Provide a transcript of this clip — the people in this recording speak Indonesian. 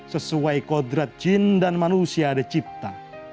sesuai kodrat jin dan manusia dicipta